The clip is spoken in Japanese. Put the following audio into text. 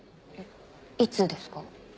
いつですか？